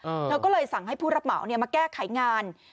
เธอก็เลยสั่งให้ผู้รับเหมาเนี่ยมาแก้ไขงาน